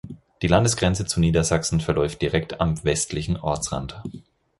Die Landesgrenze zu Niedersachsen verläuft direkt am westlichen Ortsrand.